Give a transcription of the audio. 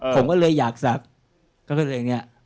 ผมก็เลยอยากศักดิ์